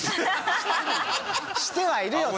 してはいるよ